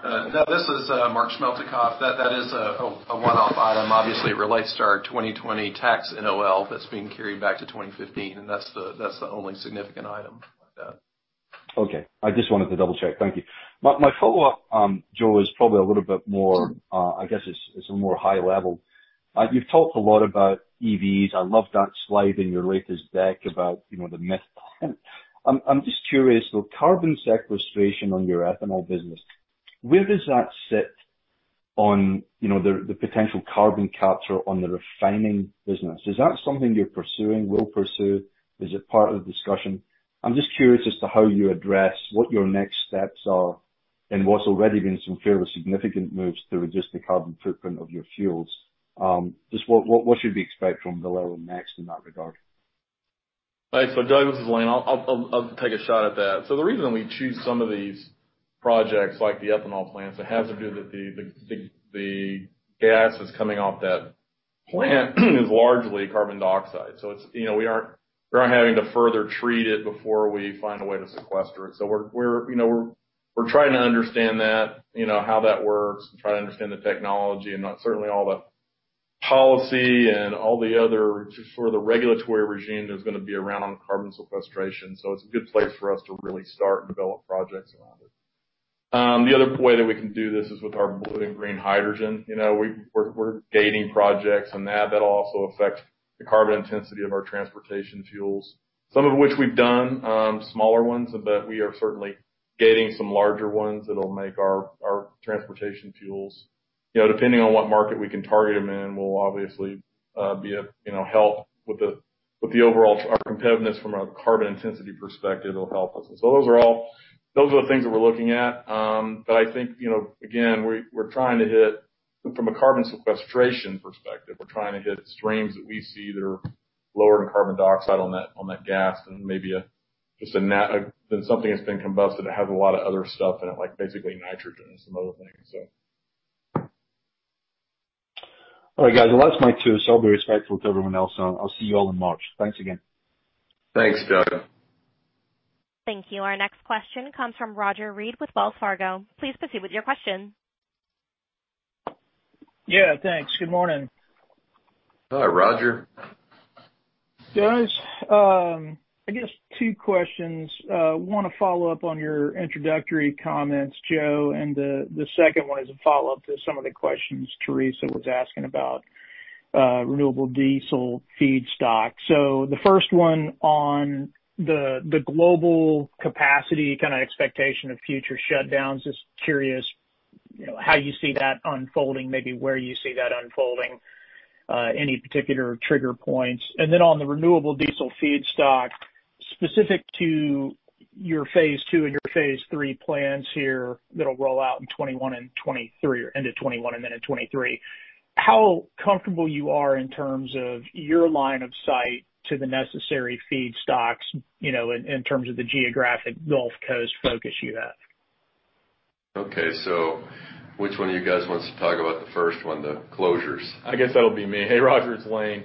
This is Mark Schmeltekopf. That is a one-off item. Obviously, it relates to our 2020 tax NOL that's being carried back to 2015. That's the only significant item. Okay. I just wanted to double-check. Thank you. My follow-up, Joe, is probably a little bit more high level. You've talked a lot about EVs. I love that slide in your latest deck about the myth. I'm just curious, though, carbon sequestration on your ethanol business, where does that sit on the potential carbon capture on the refining business? Is that something you're pursuing, will pursue? Is it part of the discussion? I'm just curious as to how you address what your next steps are and what's already been some fairly significant moves to reduce the carbon footprint of your fuels. Just what should we expect from Valero next in that regard? Doug, this is Lane. I'll take a shot at that. The reason we choose some of these projects, like the ethanol plants, it has to do with the gas that's coming off that plant is largely carbon dioxide. We aren't having to further treat it before we find a way to sequester it. We're trying to understand that, how that works, and try to understand the technology and certainly all the policy and all the other regulatory regime that's going to be around on carbon sequestration. It's a good place for us to really start and develop projects around it. The other way that we can do this is with our blue and green hydrogen. We're gating projects, and that'll also affect the carbon intensity of our transportation fuels. Some of which we've done, smaller ones. We are certainly gating some larger ones that'll make our transportation fuels. Depending on what market we can target them in, will obviously help with the overall competitiveness from a carbon intensity perspective, it'll help us. Those are the things that we're looking at. I think, again, from a carbon sequestration perspective, we're trying to hit streams that we see that are lower in carbon dioxide on that gas than something that's been combusted that has a lot of other stuff in it, like basically nitrogen and some other things. All right, guys, the last night too, so I'll be respectful to everyone else, and I'll see you all in March. Thanks again. Thanks, Doug. Thank you. Our next question comes from Roger Read with Wells Fargo. Please proceed with your question. Yeah, thanks. Good morning. Hi, Roger. Guys, I guess two questions. One, a follow-up on your introductory comments, Joe, and the second one is a follow-up to some of the questions Theresa was asking about renewable diesel feedstock. The first one on the global capacity kind of expectation of future shutdowns. Just curious how you see that unfolding, maybe where you see that unfolding, any particular trigger points? Then on the renewable diesel feedstock, specific to your phase II and your phase III plans here that'll roll out in 2021 and 2023, or end of 2021 and then in 2023. How comfortable you are in terms of your line of sight to the necessary feedstocks in terms of the geographic Gulf Coast focus you have? Okay. Which one of you guys wants to talk about the first one, the closures? I guess that'll be me. Hey, Roger, it's Lane.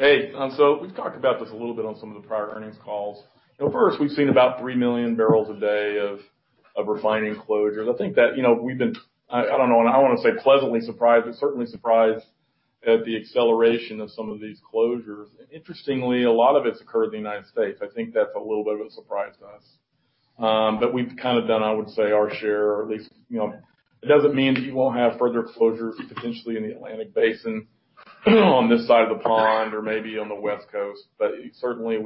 Hey. Hey. We've talked about this a little bit on some of the prior earnings calls. First, we've seen about 3 million barrels a day of refining closures. I don't want to say pleasantly surprised, but certainly surprised at the acceleration of some of these closures. Interestingly, a lot of it's occurred in the U.S. I think that's a little bit of a surprise to us. We've kind of done, I would say, our share, or at least it doesn't mean that you won't have further closures potentially in the Atlantic Basin on this side of the pond or maybe on the West Coast. Certainly,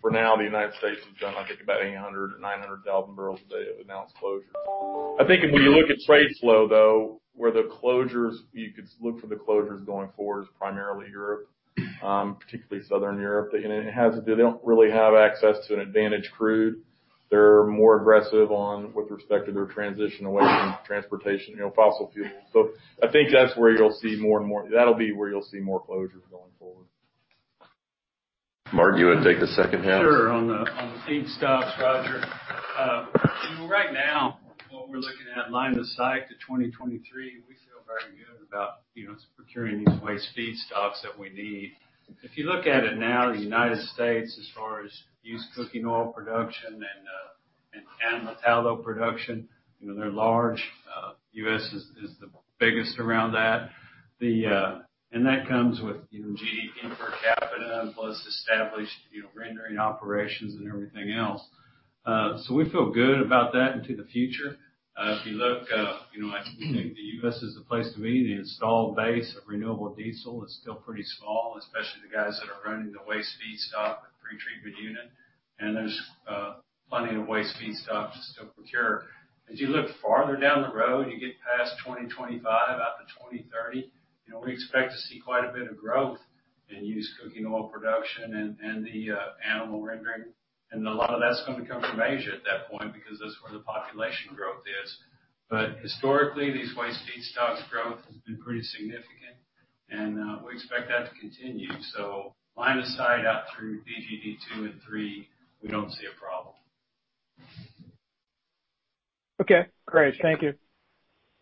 for now, the U.S. has done, I think, about 800,000-900,000 barrels a day of announced closures. I think when you look at trade flow, though, where you could look for the closures going forward is primarily Europe, particularly Southern Europe. They don't really have access to an advantage crude. They're more aggressive with respect to their transition away from transportation fossil fuels. I think that'll be where you'll see more closures going forward. Martin, you want to take the second half? Sure, on the feedstocks, Roger. Right now, what we're looking at line of sight to 2023, we feel very good about procuring these waste feedstocks that we need. If you look at it now, the United States, as far as used cooking oil production and animal tallow production, they're large. U.S. is the biggest around that. That comes with GDP per capita plus established rendering operations and everything else. We feel good about that into the future. If you look, I think the U.S. is the place to be. The installed base of renewable diesel is still pretty small, especially the guys that are running the waste feedstock and pretreatment unit, and there's plenty of waste feedstock to still procure. As you look farther down the road, you get past 2025 out to 2030, we expect to see quite a bit of growth in used cooking oil production and the animal rendering. A lot of that's going to come from Asia at that point because that's where the population growth is. Historically, these waste feedstock growth has been pretty significant, and we expect that to continue. Line of sight out through DGD 2 and DGD 3, we don't see a problem. Okay, great. Thank you.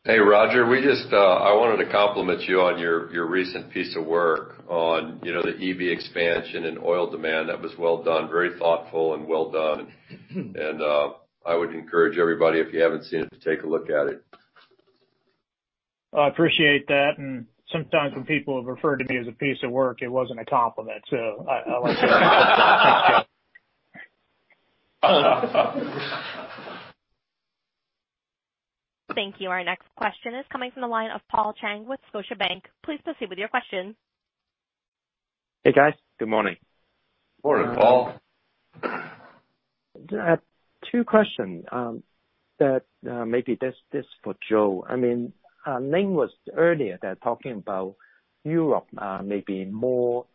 Hey, Roger. I wanted to compliment you on your recent piece of work on the EV expansion and oil demand. That was well done. Very thoughtful and well done. I would encourage everybody, if you haven't seen it, to take a look at it. I appreciate that. Sometimes when people have referred to me as a piece of work, it wasn't a compliment. I like that. Thank you. Our next question is coming from the line of Paul Cheng with Scotiabank. Please proceed with your question. Hey, guys. Good morning. Morning, Paul. Two questions. Maybe this is for Joe. Lane was earlier talking about Europe, maybe more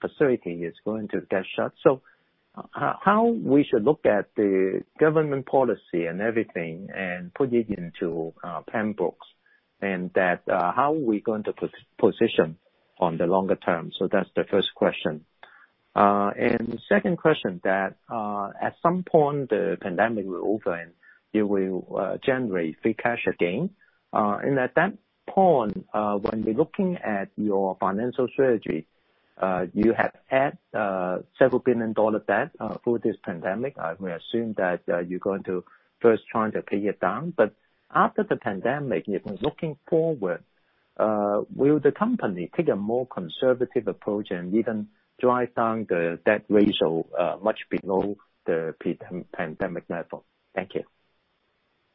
facilities are going to get shut. How we should look at the government policy and everything and put it into Pembroke, and how are we going to position on the longer term? That's the first question. The second question that at some point the pandemic will open, you will generate free cash again. At that point, when we're looking at your financial strategy, you have had several billion dollar debt through this pandemic. We assume that you're going to first try to pay it down. After the pandemic, looking forward, will the company take a more conservative approach and even drive down the debt ratio much below the pre-pandemic level? Thank you.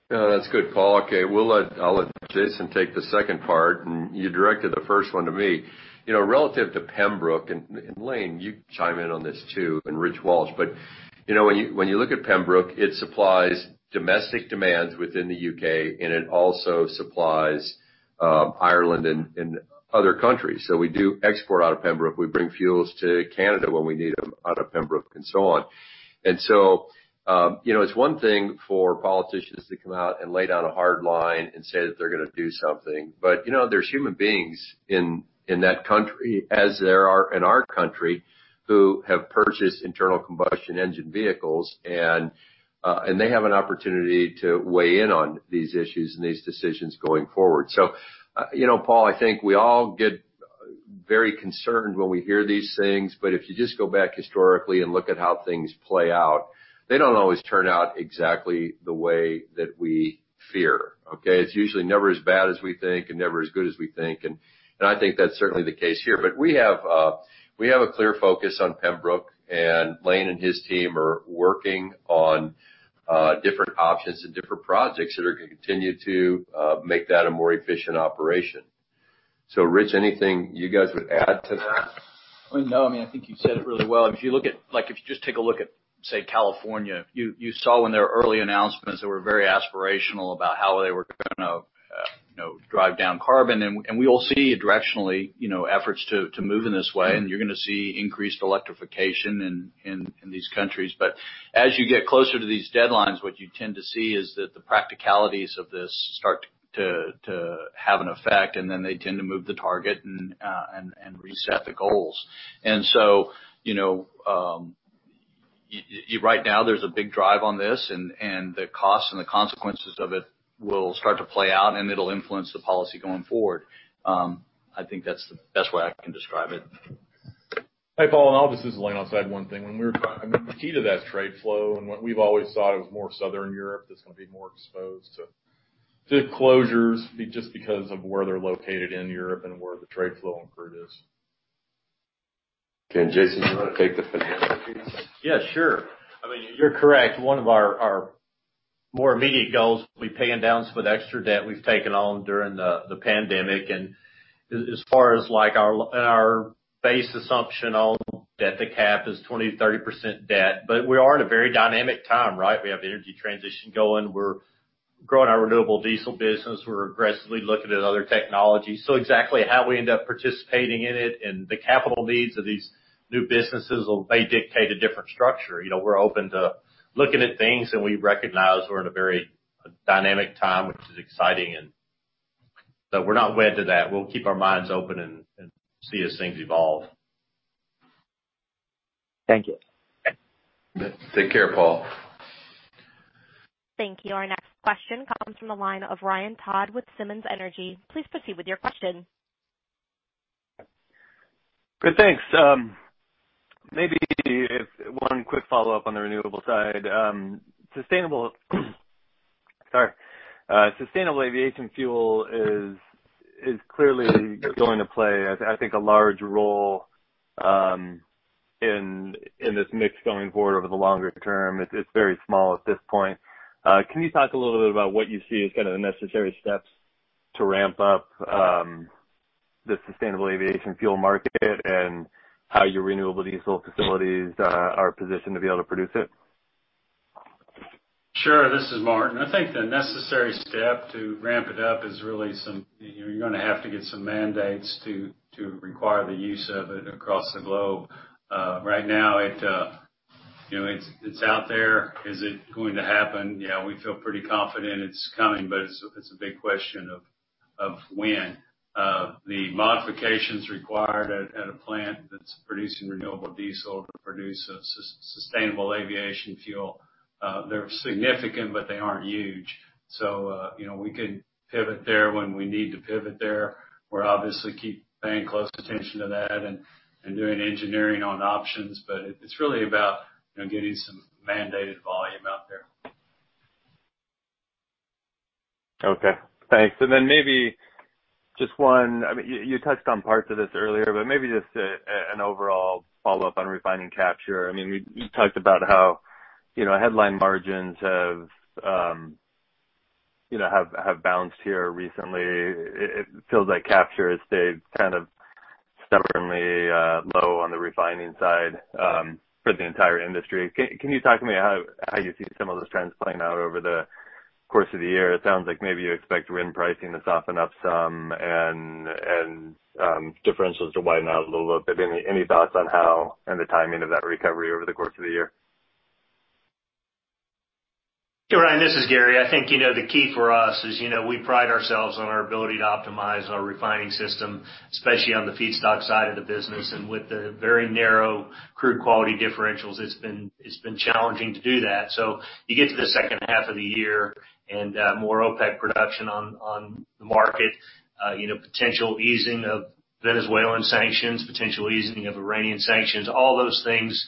That's good, Paul. Okay. I'll let Jason take the second part, and you directed the first one to me. Relative to Pembroke, and Lane, you chime in on this too, and Rich Walsh. When you look at Pembroke, it supplies domestic demands within the U.K., and it also supplies Ireland and other countries. We do export out of Pembroke. We bring fuels to Canada when we need them out of Pembroke and so on. It's one thing for politicians to come out and lay down a hard line and say that they're going to do something. There's human beings in that country, as there are in our country, who have purchased internal combustion engine vehicles, and they have an opportunity to weigh in on these issues and these decisions going forward. Paul, I think we all get very concerned when we hear these things, but if you just go back historically and look at how things play out, they don't always turn out exactly the way that we fear. Okay? It's usually never as bad as we think and never as good as we think, and I think that's certainly the case here. We have a clear focus on Pembroke, and Lane and his team are working on different options and different projects that are going to continue to make that a more efficient operation. Rich, anything you guys would add to that? No, I think you said it really well. If you just take a look at, say California, you saw when there were early announcements that were very aspirational about how they were going to drive down carbon. We all see directionally efforts to move in this way, and you're going to see increased electrification in these countries. As you get closer to these deadlines, what you tend to see is that the practicalities of this start to have an effect, and then they tend to move the target and reset the goals. Right now there's a big drive on this, and the cost and the consequences of it will start to play out, and it'll influence the policy going forward. I think that's the best way I can describe it. Hey, Paul, obviously, this is Lane. I'll just add one thing. The key to that trade flow and what we've always thought of more southern Europe that's going to be more exposed to closures just because of where they're located in Europe and where the trade flow incurred. Okay. Jason, do you want to take the financial piece? Yeah, sure. You're correct. One of our more immediate goals will be paying down some of the extra debt we've taken on during the pandemic. As far as our base assumption on debt to CapEx is 20%-30% debt. We are in a very dynamic time, right? We have energy transition going. We're growing our renewable diesel business. We're aggressively looking at other technologies. Exactly how we end up participating in it and the capital needs of these new businesses, they dictate a different structure. We're open to looking at things, and we recognize we're in a very dynamic time, which is exciting, we're not wed to that. We'll keep our minds open and see as things evolve. Thank you. Take care, Paul. Thank you. Our next question comes from the line of Ryan Todd with Simmons Energy. Please proceed with your question. Good, thanks. Maybe one quick follow-up on the renewable side. Sustainable aviation fuel is clearly going to play, I think, a large role in this mix going forward over the longer term. It is very small at this point. Can you talk a little bit about what you see as the necessary steps to ramp up the sustainable aviation fuel market and how your renewable diesel facilities are positioned to be able to produce it? Sure. This is Martin. I think the necessary step to ramp it up is really you're going to have to get some mandates to require the use of it across the globe. Right now it's out there. Is it going to happen? We feel pretty confident it's coming, it's a big question of when. The modifications required at a plant that's producing renewable diesel to produce a sustainable aviation fuel, they're significant, but they aren't huge. We could pivot there when we need to pivot there. We're obviously keep paying close attention to that and doing engineering on options. It's really about getting some mandated volume out there. Okay, thanks. Maybe just one, you touched on parts of this earlier, but maybe just an overall follow-up on refining capture. You talked about how headline margins have bounced here recently. It feels like capture has stayed kind of stubbornly low on the refining side for the entire industry. Can you talk to me how you see some of those trends playing out over the course of the year? It sounds like maybe you expect RIN pricing to soften up some and differentials to widen out a little bit. Any thoughts on how and the timing of that recovery over the course of the year? Ryan, this is Gary. I think, the key for us is we pride ourselves on our ability to optimize our refining system, especially on the feedstock side of the business. With the very narrow crude quality differentials, it's been challenging to do that. You get to the second half of the year and more OPEC production on the market. Potential easing of Venezuelan sanctions, potential easing of Iranian sanctions. All those things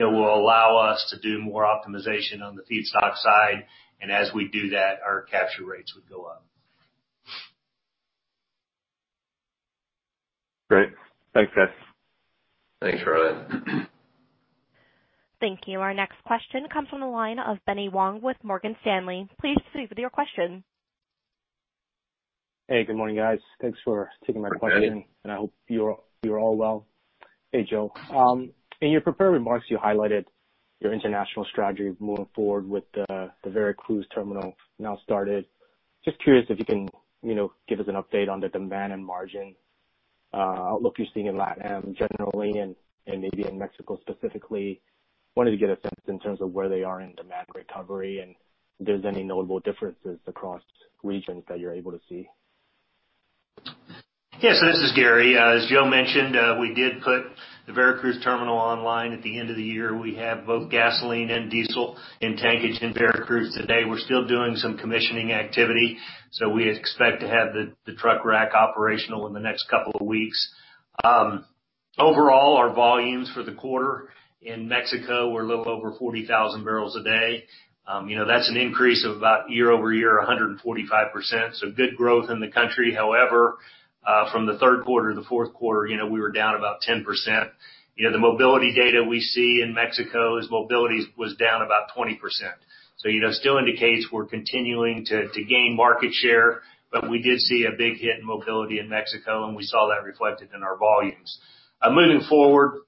will allow us to do more optimization on the feedstock side. As we do that, our capture rates would go up. Great. Thanks, guys. Thanks, Ryan. Thank you. Our next question comes from the line of Benny Wong with Morgan Stanley. Please proceed with your question. Hey, good morning, guys. Thanks for taking my question. Hey, Benny. I hope you're all well. Hey, Joe. In your prepared remarks, you highlighted your international strategy moving forward with the Veracruz terminal now started. Just curious if you can give us an update on the demand and margin outlook you're seeing in LatAm generally, and maybe in Mexico specifically. Wanted to get a sense in terms of where they are in demand recovery, and if there's any notable differences across regions that you're able to see. This is Gary. As Joe mentioned, we did put the Veracruz terminal online at the end of the year. We have both gasoline and diesel in tankage in Veracruz today. We're still doing some commissioning activity. We expect to have the truck rack operational in the next couple of weeks. Our volumes for the quarter in Mexico were a little over 40,000 barrels a day. That's an increase of about year-over-year, 145%. Good growth in the country. From the third quarter to the fourth quarter, we were down about 10%. The mobility data we see in Mexico is mobility was down about 20%. Still indicates we're continuing to gain market share, but we did see a big hit in mobility in Mexico, and we saw that reflected in our volumes. Moving forward,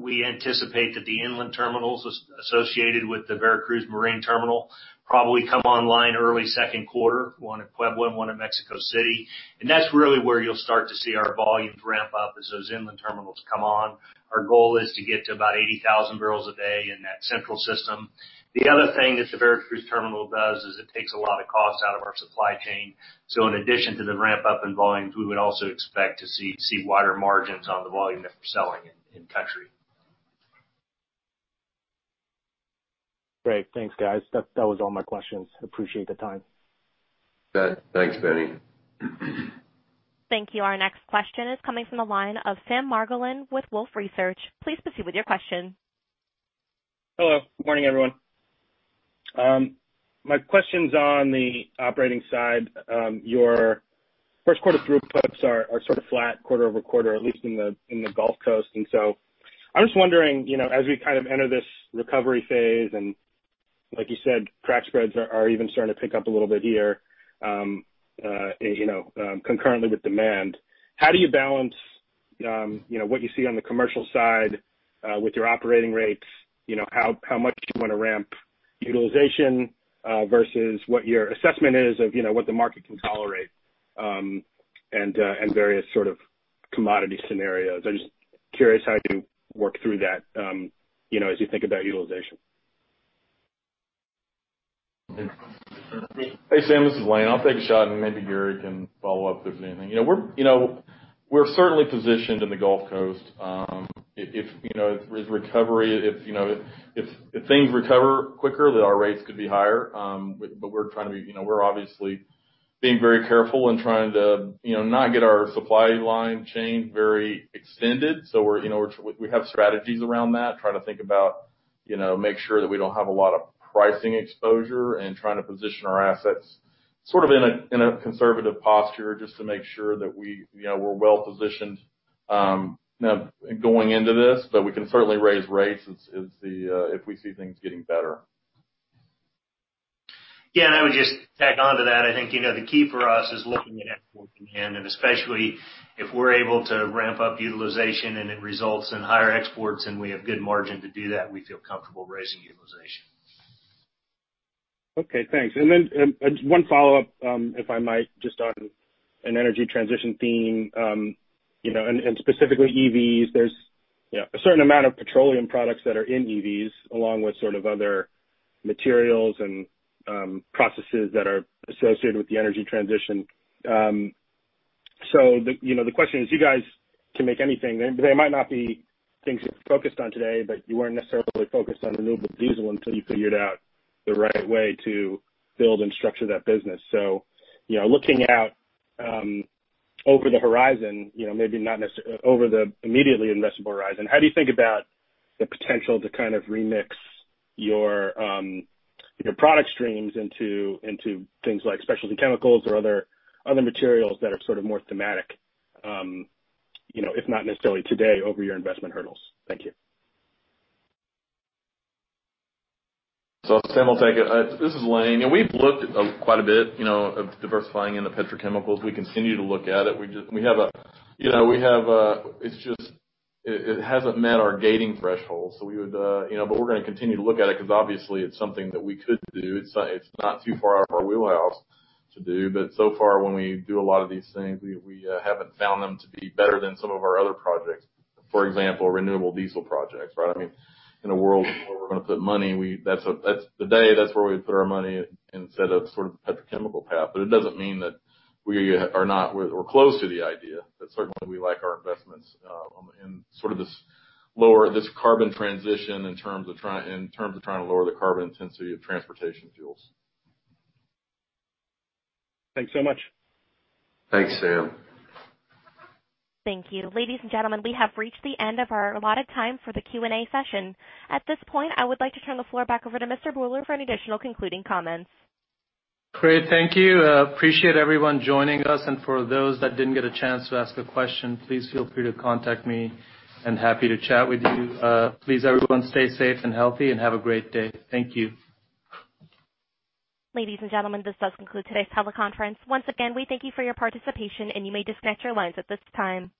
we anticipate that the inland terminals associated with the Veracruz marine terminal probably come online early second quarter, one in Puebla and one in Mexico City. That's really where you'll start to see our volumes ramp up as those inland terminals come on. Our goal is to get to about 80,000 barrels a day in that central system. The other thing that the Veracruz terminal does is it takes a lot of cost out of our supply chain. In addition to the ramp up in volumes, we would also expect to see wider margins on the volume that we're selling in country. Great. Thanks, guys. That was all my questions. Appreciate the time. Thanks, Benny. Thank you. Our next question is coming from the line of Sam Margolin with Wolfe Research. Please proceed with your question. Hello. Good morning, everyone. My question's on the operating side. Your first quarter throughputs are sort of flat quarter-over-quarter, at least in the Gulf Coast. I'm just wondering, as we kind of enter this recovery phase, and like you said, crack spreads are even starting to pick up a little bit here concurrently with demand. How do you balance what you see on the commercial side with your operating rates? How much do you want to ramp utilization versus what your assessment is of what the market can tolerate and various sort of commodity scenarios? I'm just curious how you work through that as you think about utilization. Hey, Sam, this is Lane. I'll take a shot. Maybe Gary can follow up if there's anything. We're certainly positioned in the Gulf Coast. If things recover quicker, our rates could be higher. We're obviously being very careful and trying to not get our supply line chain very extended. We have strategies around that, trying to think about making sure that we don't have a lot of pricing exposure and trying to position our assets sort of in a conservative posture just to make sure that we're well-positioned going into this. We can certainly raise rates if we see things getting better. I would just tack onto that. I think, the key for us is looking at export demand, and especially if we're able to ramp up utilization and it results in higher exports and we have good margin to do that, we feel comfortable raising utilization. Okay, thanks. One follow-up, if I might, just on an energy transition theme, and specifically EVs. There's a certain amount of petroleum products that are in EVs, along with sort of other materials and processes that are associated with the energy transition. The question is, you guys can make anything. They might not be things you're focused on today, but you weren't necessarily focused on renewable diesel until you figured out the right way to build and structure that business. Looking out over the horizon, maybe not necessarily over the immediately investable horizon, how do you think about the potential to kind of remix your product streams into things like specialty chemicals or other materials that are sort of more thematic if not necessarily today over your investment hurdles? Thank you. Sam, I'll take it. This is Lane, we've looked quite a bit of diversifying into petrochemicals. We continue to look at it. It hasn't met our gating threshold, we're going to continue to look at it because obviously it's something that we could do. It's not too far out of our wheelhouse to do. So far, when we do a lot of these things, we haven't found them to be better than some of our other projects. For example, renewable diesel projects, right? I mean, in a world where we're going to put money, today, that's where we put our money instead of sort of petrochemical path. It doesn't mean that we're close to the idea. Certainly, we like our investments in sort of this carbon transition in terms of trying to lower the carbon intensity of transportation fuels. Thanks so much. Thanks, Sam. Thank you. Ladies and gentlemen, we have reached the end of our allotted time for the Q&A session. At this point, I would like to turn the floor back over to Mr. Bhullar for any additional concluding comments. Great. Thank you. Appreciate everyone joining us, and for those that didn't get a chance to ask a question, please feel free to contact me, and happy to chat with you. Please, everyone, stay safe and healthy, and have a great day. Thank you. Ladies and gentlemen, this does conclude today's teleconference. Once again, we thank you for your participation, and you may disconnect your lines at this time.